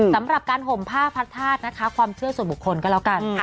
สำหรับการห่มผ้าพระธาตุนะคะความเชื่อส่วนบุคคลก็แล้วกัน